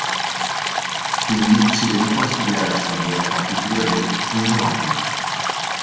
Quindi si dedicò a studiare a fondo la partitura del "Don Giovanni".